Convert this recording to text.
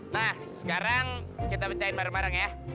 nah sekarang kita pecahin bareng bareng ya